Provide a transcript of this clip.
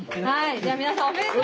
じゃあ皆さんおめでとう。